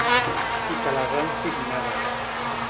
I que les han signades.